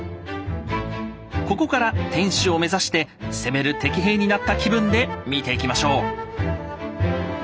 ここから天守を目指して攻める敵兵になった気分で見ていきましょう。